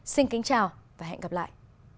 xin kính chào và hẹn gặp lại